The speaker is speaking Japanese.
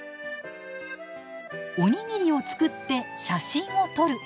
おにぎりを作って写真を撮る。